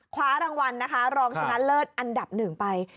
คว้ารางวัลนะคะรองชนะเลิศอันดับหนึ่งไป